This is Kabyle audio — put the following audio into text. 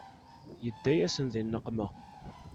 Yedda-yasen di nneqma.